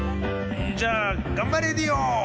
じゃあ「がんばレディオ！」。